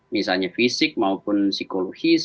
misalnya fisik maupun psikologis